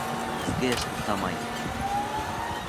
Изге эш туҡтамай